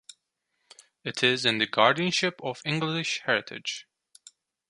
It is in the guardianship of English Heritage.